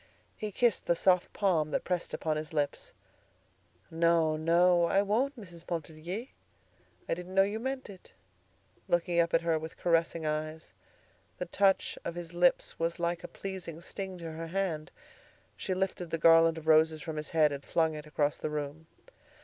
He kissed the soft palm that pressed upon his lips. "No, no, I won't, Mrs. Pontellier. I didn't know you meant it," looking up at her with caressing eyes. The touch of his lips was like a pleasing sting to her hand. She lifted the garland of roses from his head and flung it across the room.